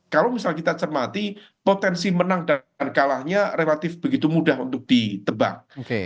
kalau misal kita cermati potensi menang dan kalahnya relatif begitu mudah untuk ditebang